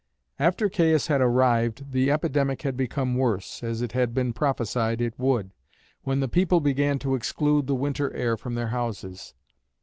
After Caius had arrived the epidemic had become worse, as it had been prophesied it would, when the people began to exclude the winter air from their houses.